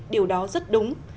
điều đó rất đúng